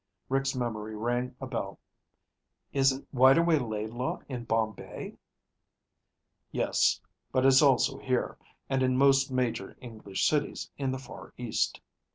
Rick's memory rang a bell. "Isn't Whiteaway Laidlaw in Bombay?" "Yes. But it's also here, and in most major English cities in the Far East."